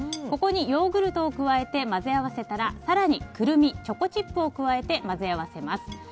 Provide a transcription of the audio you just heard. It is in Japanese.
ここにヨーグルトを加えて混ぜ合わせたら更にクルミ、チョコチップを加えて混ぜ合わせます。